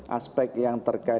aspek yang terkait